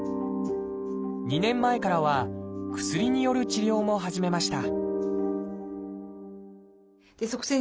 ２年前からは薬による治療も始めました